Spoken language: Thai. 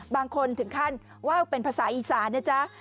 บางคนถึงขั้นว่าวเป็นภาษาอีสานนะจ๊ะ